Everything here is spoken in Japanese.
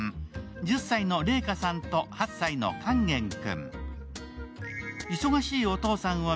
１０歳の麗禾さんと８歳の勸玄君。